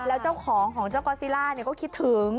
แล้วเจ้าของของเจ้ากอซิล่าก็คิดถึง